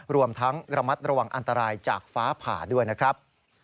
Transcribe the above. รวมทั้งระมัดระวังอันตรายจากฟ้าผ่าด้วยนะครับ